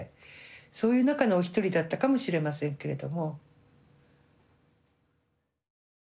そういう中のお一人だったかもしれませんけれども。